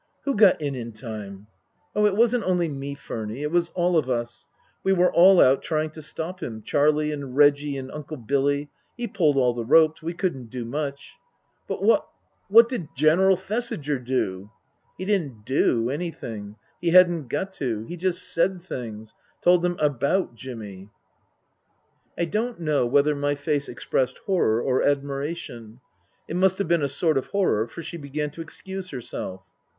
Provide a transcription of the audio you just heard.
" Who got in in time ?"" Oh, it wasn't only me, Furny, it was all of us. We were all out trying to stop him Charlie and Reggie and Uncle Billy he pulled all the ropes we couldn't do much." " But what what did General Thesiger do ?"" He didn't ' do ' anything. He hadn't got to. He just said things. Told them about Jimmy." I don't know whether my face expressed horror or admiration. It must have been a sort of horror, for she began to excuse herself.